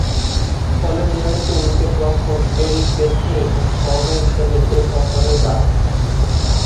ফলে, নিয়মিত উইকেট-রক্ষক এরিক পেট্রি’র সহকারী হিসেবে এ সফরে যান।